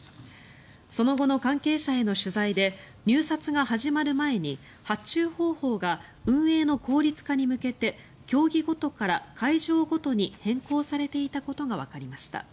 その後の関係者への取材で入札が始まる前に発注方法が運営の効率化に向けて競技ごとから会場ごとに変更されていたことがわかりました。